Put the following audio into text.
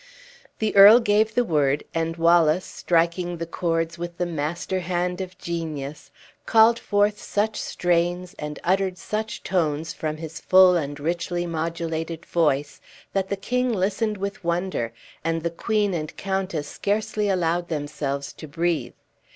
The earl gave the word, and Wallace, striking the chords with the master hand of genius, called forth such strains and uttered such tones from his full and richly modulated voice, that the king listened with wonder, and the queen and countess scarcely allowed themselves to breathe.